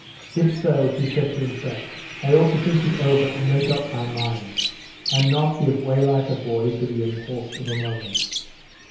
"If so," he said to himself, "I ought to think it over and make up my mind, and not give way like a boy to the impulse of a moment."